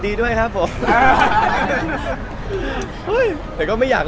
พี่พอร์ตทานสาวใหม่พี่พอร์ตทานสาวใหม่